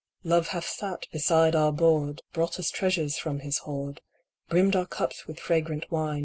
Love hath sat beside our board. Brought us treasures from his hoard. Brimmed our cups with fragrant wine.